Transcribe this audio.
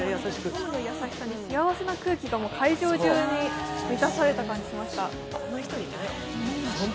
トムの優しさに幸せな空気が会場中に満たされた気がしました。